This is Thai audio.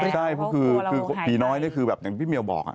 ใช่เพราะคือผีน้อยนี่คือแบบอย่างพี่เมียวบอก